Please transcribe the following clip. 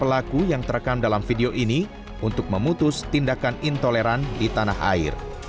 pelaku yang terekam dalam video ini untuk memutus tindakan intoleran di tanah air